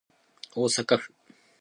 大阪府